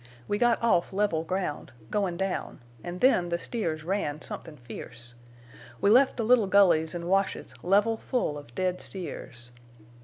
We got off level ground, goin' down, an' then the steers ran somethin' fierce. We left the little gullies an' washes level full of dead steers.